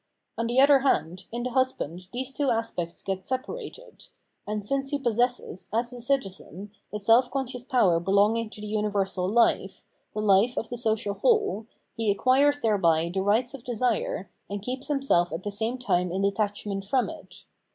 On the other hand, in the husband these two aspects get separated ; and since he possesses, as a citizen, the self conscious power belonging to the imiversal life, the fife of the social whole, he acquires thereby the rights of desire, and keeps himself at the same time in detachment from it.